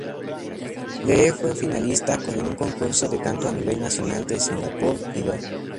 Lee fue finalista en un concurso de canto a nivel nacional de Singapore Idol.